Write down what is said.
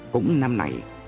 cũng năm này